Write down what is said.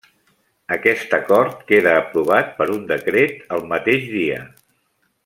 Aquest acord queda aprovat per un decret el mateix dia.